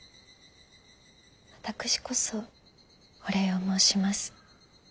私こそお礼を申します。